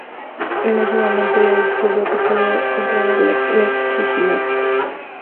En ese momento, ella descubrió que podía controlar la electricidad.